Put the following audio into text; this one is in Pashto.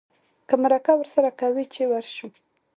که مرکه ورسره کوې چې ورشو.